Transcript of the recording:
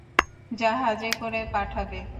জাহাজে করে পাঠাবে।